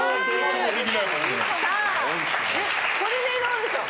これでどうでしょう？